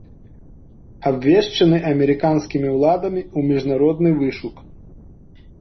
Абвешчаны амерыканскімі ўладамі ў міжнародны вышук.